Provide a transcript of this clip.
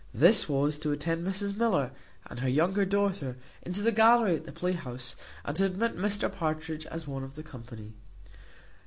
This was, to attend Mrs Miller, and her younger daughter, into the gallery at the play house, and to admit Mr Partridge as one of the company.